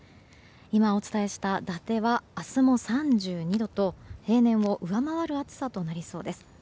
今、お伝えした伊達は明日も３２度と平年を上回る暑さとなりそうです。